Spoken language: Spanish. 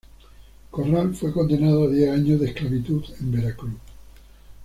Corral fue condenado a diez años de esclavitud en Veracruz.